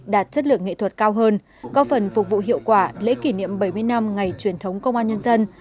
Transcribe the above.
đạt chất lượng nghệ thuật cao hơn có phần phục vụ hiệu quả lễ kỷ niệm bảy mươi năm ngày truyền thống công an nhân dân